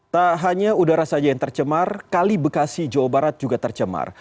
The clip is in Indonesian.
tak hanya udara saja yang tercemar kali bekasi jawa barat juga tercemar